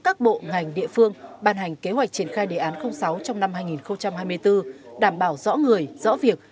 các bộ ngành địa phương ban hành kế hoạch triển khai đề án sáu trong năm hai nghìn hai mươi bốn đảm bảo rõ người rõ việc